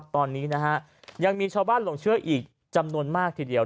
ตอนนี้นะฮะยังมีชาวบ้านหลงเชื่ออีกจำนวนมากทีเดียว